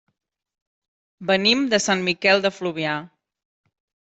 Venim de Sant Miquel de Fluvià.